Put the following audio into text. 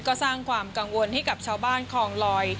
ก็สร้างความกังวลให้กับชาวบ้านคลองลอย